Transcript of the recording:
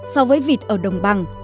so với vịt ở đồng bằng